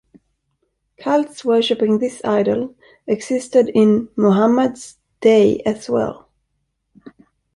Cults worshipping this idol existed in Muhammad's day as well.